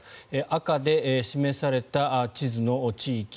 赤で示された地図の地域